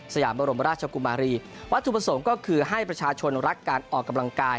ยามบรมราชกุมารีวัตถุประสงค์ก็คือให้ประชาชนรักการออกกำลังกาย